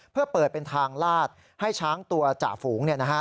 เพื่อเปิดเป็นทางลาดให้ช้างตัวจ่าฝูง